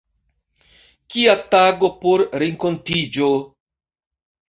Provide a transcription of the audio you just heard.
Kia tago por renkontiĝo!